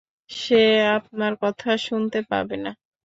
সে আপনার কথা শুনতে পাবে না।